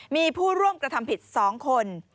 มีผู้ร่วมกระทำผิด๒คน